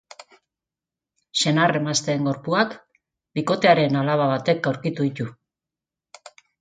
Senar-emazteen gorpuak bikotearen alaba batek aurkitu ditu.